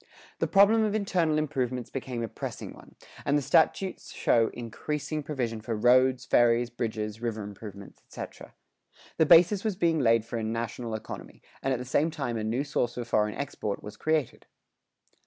The problem of internal improvements became a pressing one, and the statutes show increasing provision for roads, ferries, bridges, river improvements, etc.[109:1] The basis was being laid for a national economy, and at the same time a new source for foreign export was created.